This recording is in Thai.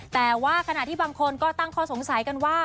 แต่ว่าขณะที่บางคนก็ตั้งข้อสงสัยกันว่า